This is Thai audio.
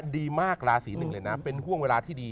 ดีมากราศีนึงเลยนะ